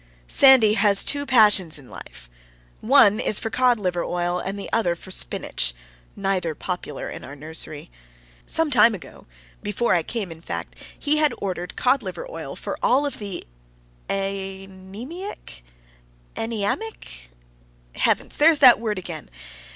Sandy has two passions in life: one is for cod liver oil and the other for spinach, neither popular in our nursery. Some time ago before I came, in fact he had ordered cod liver oil for all of the {aenemic} Heavens! there's that word again!